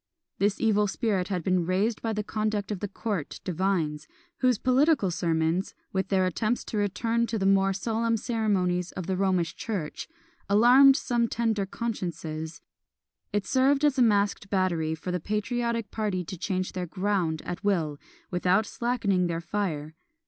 This evil spirit had been raised by the conduct of the court divines, whose political sermons, with their attempts to return to the more solemn ceremonies of the Romish church, alarmed some tender consciences; it served as a masked battery for the patriotic party to change their ground at will, without slackening their fire.